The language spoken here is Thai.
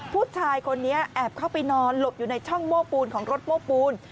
ผู้ชายคนนี้แอบเข้าไปนอนหลบอยู่ในช่องโม้ปูนของรถโม้ปูน